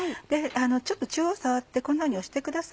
ちょっと中央触ってこんなふうに押してください。